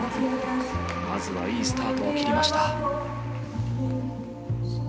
まずはいいスタートを切りました。